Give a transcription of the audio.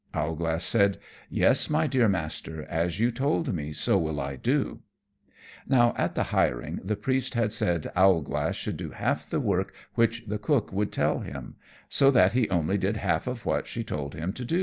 Owlglass said, "Yes, my dear Master, as you told me so will I do." Now, at the hiring, the Priest had said Owlglass should do half the work which the cook would tell him, so that he only did the half of what she told him to do.